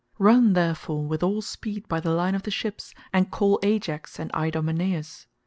Run, therefore, with all speed by the line of the ships, and call Ajax and Idomeneus.